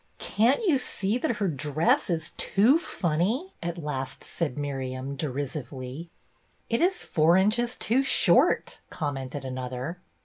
" Can't you see that her dress is too funny.? " at last said Miriam, derisively. " It is four inches too short," commented another.